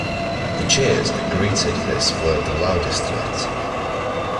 The cheers that greeted this were the loudest yet.